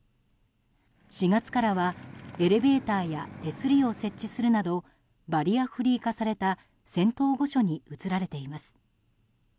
４月からはエレベーターや手すりを設置するなどバリアフリー化された仙洞御所に移られています。